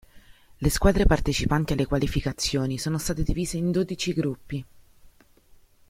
Le squadre partecipanti alle qualificazioni sono state divise in dodici gruppi.